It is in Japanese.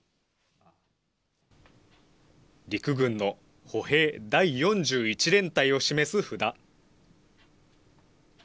陸軍の歩兵第４１連隊を示す札。